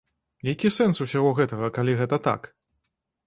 Які сэнс усяго гэтага, калі гэта так?